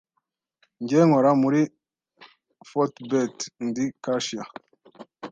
Njye nkora muri Fortebet ndi cashier,